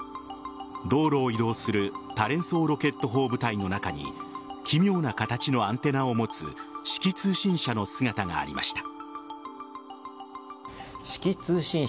道路を移動する多連装ロケット砲部隊の中に奇妙な形のアンテナを持つ指揮通信車の姿がありました。